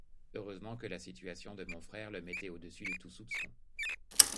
Heureusement que la situation de mon frère le mettait au-dessus de tout soupçon.